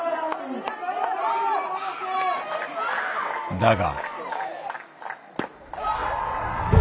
だが。